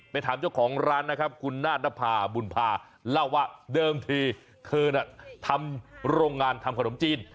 ไปถามเจ้าของร้านนะครับขุนน่าดภาบุญภาเล่าว่าเดิมที่คืนทำรงานคนมจีน